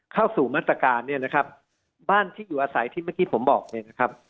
เข้าสู่มาตรการเนี่ยนะครับบ้านที่อยู่อาศัยที่เมื่อกี้ผมบอกเนี่ยนะครับ